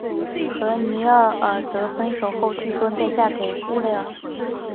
和尼奥尔德分手后据说再嫁给乌勒尔。